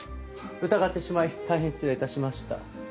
疑ってしまい大変失礼致しました。